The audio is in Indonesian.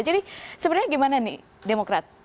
jadi sebenarnya gimana nih demokrat